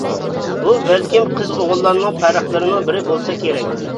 بۇ بەلكىم قىز-ئوغۇللارنىڭ پەرقلىرىنىڭ بىرى بولسا كېرەك.